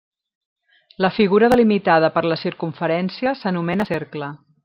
La figura delimitada per la circumferència s'anomena cercle.